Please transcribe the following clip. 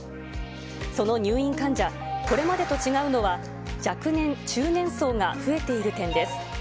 その入院患者、これまでと違うのは、若年、中年層が増えている点です。